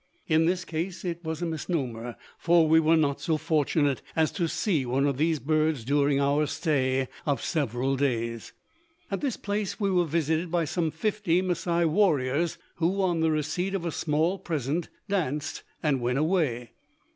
In this case it was a misnomer, for we were not so fortunate as to see one of these birds during our stay of several days. At this place we were visited by some fifty Masai warriors, who on the receipt of a small present danced and went away.